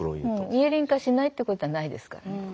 ミエリン化しないってことはないですからね。